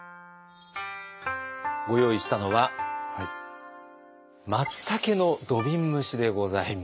ご用意したのはまつたけの土瓶蒸しでございます。